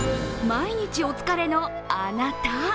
毎日お疲れのあなた。